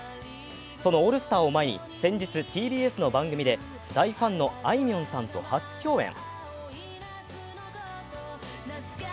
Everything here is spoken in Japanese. そのオールスターを前に先日、ＴＢＳの番組で大ファンのあいみょんさんと初共演。